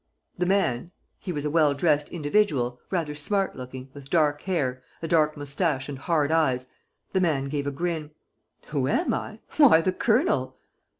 The man he was a well dressed individual, rather smart looking, with dark hair, a dark moustache and hard eyes the man gave a grin: "Who am I? Why, the Colonel!"